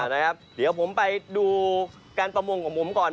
นะครับเดี๋ยวผมไปดูการประมงของผมก่อน